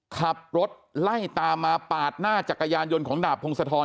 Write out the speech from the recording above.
ขับรถไล่ตามมาปาดหน้าจักรยานยนต์ของดาบพงศธร